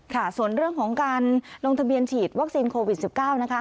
ค่ะส่วนเรื่องของการลงทะเบียนฉีดวัคซีนโควิด๑๙นะคะ